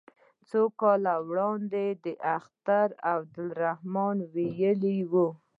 څو کاله وړاندې اختر عبدالرحمن ویلي وو.